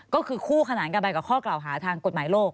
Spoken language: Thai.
ก็คือคู่ขนานกันไปกับข้อกล่าวหาทางกฎหมายโลก